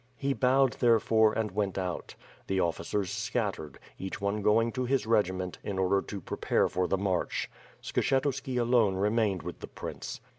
He bowed, therefore, and went out. The officers scattered, each one going to his regiment, in order to prepare for the march. Skshetuski alone remained with the prince.